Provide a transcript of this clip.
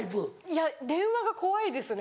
いや電話が怖いですね